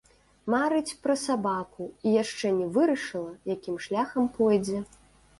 Марыць пра сабаку, і яшчэ не вырашыла, якім шляхам пойдзе.